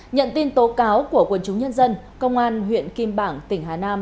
nhận tin tố cáo của quân chúng nhân dân công an huyện kim bảng tỉnh hà nam